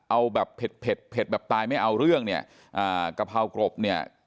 เอาแบบเผ็ดเผ็ดแบบตายไม่เอาเรื่องเนี่ยอ่ากะเพรากรบเนี่ย